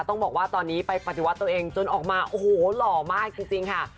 ต้องบอกว่าตอนนี้ไปปฏิวัติตัวเองจนออกมาโอ้โหหล่อมากจริงค่ะ